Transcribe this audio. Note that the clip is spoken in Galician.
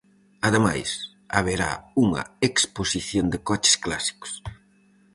Ademais, haberá unha exposición de coches clásicos.